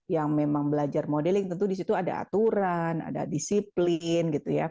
yang memang belajar modeling tentu di situ ada aturan ada disiplin gitu ya